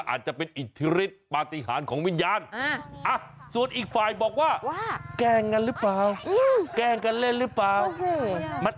อาจจะเป็นเทคนิคการถ่ายทำภิเษตร